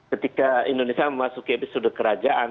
ketika indonesia memasuki episode kerajaan